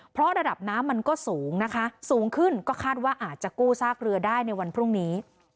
เพราะระดับน้ำมันก็สูงนะคะสูงขึ้นก็คาดว่าอาจจะกู้ซากเรือได้ในวันพรุ่งนี้